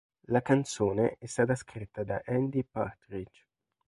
La canzone è stata scritta da Andy Partridge.